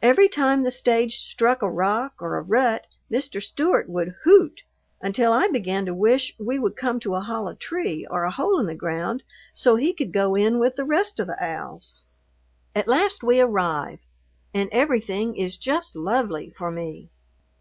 Every time the stage struck a rock or a rut Mr. Stewart would "hoot," until I began to wish we would come to a hollow tree or a hole in the ground so he could go in with the rest of the owls. At last we "arriv," and everything is just lovely for me.